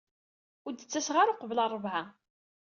Ur d-ttaseɣ ara uqbel ṛṛebɛa.